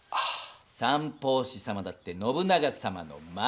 三法師様だって信長様の孫！